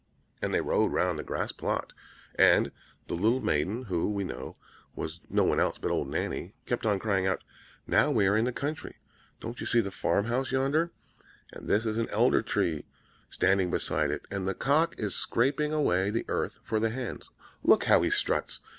And on they rode round the grass plot; and the little maiden, who, we know, was no one else but old Nanny, kept on crying out, "Now we are in the country! Don't you see the farm house yonder? And there is an Elder Tree standing beside it; and the cock is scraping away the earth for the hens, look, how he struts!